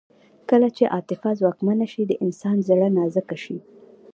کله چې عاطفه ځواکمنه شي د انسان زړه نازک شي